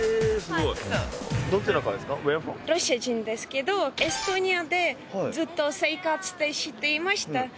ロシア人ですけどエストニアでずっと生活していました。